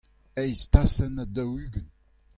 eizh tasenn ha daou-ugent.